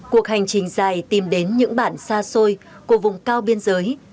cuộc hành trình dài tìm đến những bản xa xôi của vùng cao biên giới